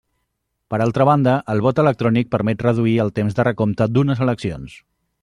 Per altra banda, el vot electrònic permet reduir el temps de recompte d'unes eleccions.